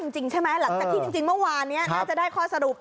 จริงเมื่อวานนี้น่าจะได้ข้อสรุป